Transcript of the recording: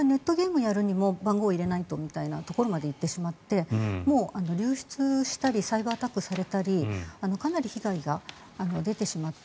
ネットゲームをやるにも番号を入れないとまで行ってしまって流出したりサイバーアタックされたりかなり被害が出てしまって。